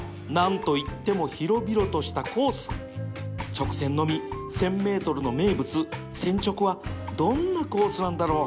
直線のみ １，０００ メートルの名物千直はどんなコースなんだろう